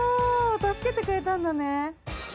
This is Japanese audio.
助けてくれたんだね。